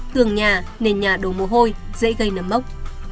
tường nhà nền nhà đổ mồ hôi dễ gây nấm mốc